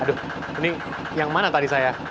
aduh ini yang mana tadi saya